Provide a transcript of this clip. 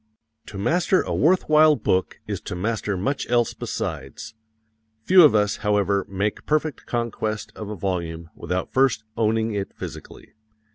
To master a worth while book is to master much else besides; few of us, however, make perfect conquest of a volume without first owning it physically.